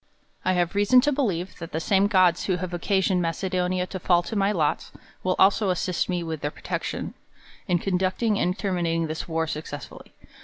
I have reason to beheve, that the same gods, who have occasioned Macedonia to fall to my lot, w^ill also assist me with their protec 'tion in conducting and terminating this war success Y^lly.